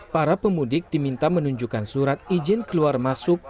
para pemudik diminta menunjukkan surat izin keluar masuk